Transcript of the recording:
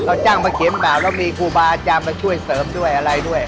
จ้างมาเขียนบาปแล้วมีครูบาอาจารย์มาช่วยเสริมด้วยอะไรด้วย